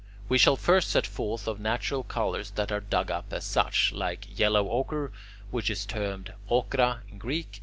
We shall first set forth the natural colours that are dug up as such, like yellow ochre, which is termed [Greek: ochra] in Greek.